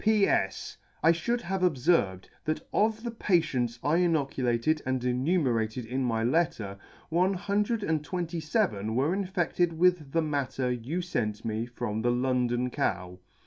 " P. S. I fhould have obferved, that of the patients I 5 ino culated and enumerated in my letter, one hundred and twenty feven were infedted with the matter you fent me from the London cow.